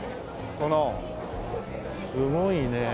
このすごいね。